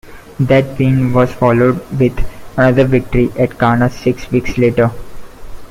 That win was followed with another victory at Kansas six weeks later.